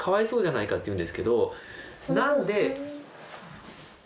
なんで。